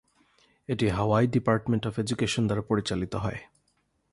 এটি Hawaii department of education দ্বারা পরিচালিত হয়।